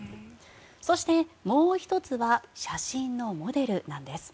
そして、もう１つは写真のモデルなんです。